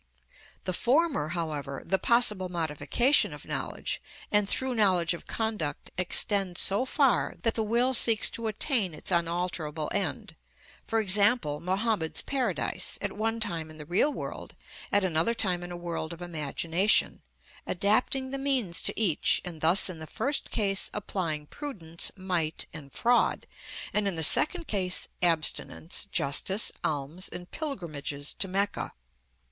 The former, however, the possible modification of knowledge, and through knowledge of conduct, extends so far that the will seeks to attain its unalterable end, for example, Mohammed's paradise, at one time in the real world, at another time in a world of imagination, adapting the means to each, and thus in the first case applying prudence, might, and fraud, and in the second case, abstinence, justice, alms, and pilgrimages to Mecca.